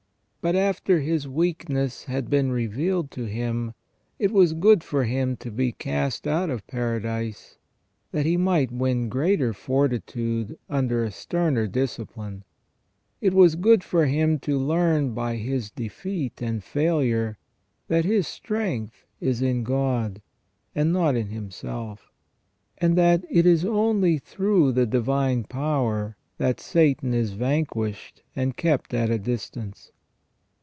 But after his weakness had been revealed to Him, it was good for him to be cast out of paradise, that he might win greater fortitude under a sterner discipline. It was good for him to learn by his defeat and failure that his strength is in God, and not in himself, and that it is only through the divine power that Satan is van quished and kept at a distance.